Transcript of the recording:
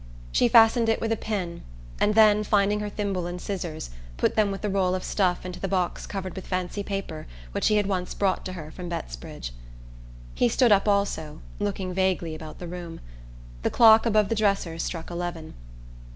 She fastened it with a pin, and then, finding her thimble and scissors, put them with the roll of stuff into the box covered with fancy paper which he had once brought to her from Bettsbridge. He stood up also, looking vaguely about the room. The clock above the dresser struck eleven.